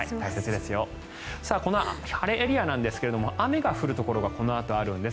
晴れエリアなんですが雨が降るところがこのあと、あるんです。